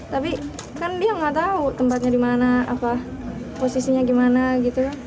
tapi kan dia nggak tahu tempatnya di mana posisinya gimana gitu